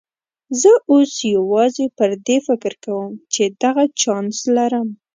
زه اوس یوازې پر دې فکر کوم چې دغه چانس لرم.